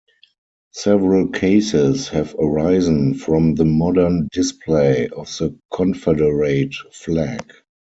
Several cases have arisen from the modern display of the Confederate flag.